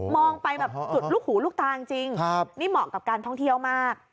ไปแบบจุดลูกหูลูกตาจริงนี่เหมาะกับการท่องเที่ยวมาก